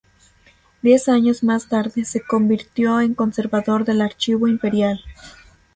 Diez años más tarde, se convirtió en conservador del Archivo Imperial.